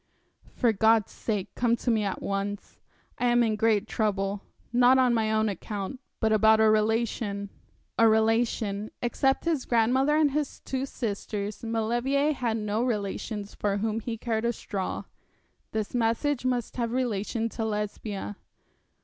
'For God's sake come to me at once. I am in great trouble; not on my own account, but about a relation.' A relation except his grandmother and his two sisters Maulevrier had no relations for whom he cared a straw. This message must have relation to Lesbia.